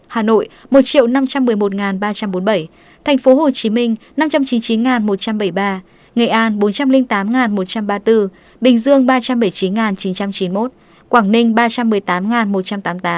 hà nội một năm trăm một mươi một ba trăm bốn mươi bảy tp hcm năm trăm chín mươi chín một trăm bảy mươi ba nghệ an bốn trăm linh tám một trăm ba mươi bốn bình dương ba trăm bảy mươi chín chín trăm chín mươi một quảng ninh ba trăm một mươi tám một trăm tám mươi tám